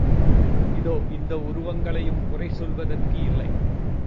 இதோ இந்த உருவங்களையும் குறை சொல்வதற்கு இல்லை.